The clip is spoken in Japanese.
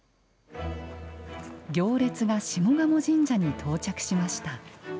行列が下鴨神社に到着しました。